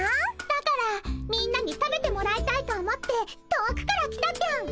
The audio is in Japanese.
だからみんなに食べてもらいたいと思って遠くから来たぴょん。